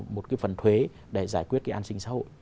một cái phần thuế để giải quyết cái an sinh xã hội